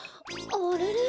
あれれ。